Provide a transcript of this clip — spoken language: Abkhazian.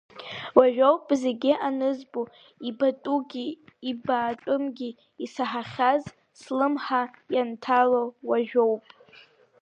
Уажәоуп зегь анызбо, ибатәугьы ибатәымгьы, исаҳахьаз слымҳа ианҭало уажәоуп.